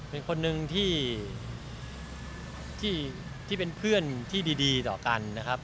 เป็นคนหนึ่งที่เป็นเพื่อนที่ดีต่อกันนะครับ